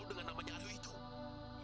kamu tuh mainnya apa sih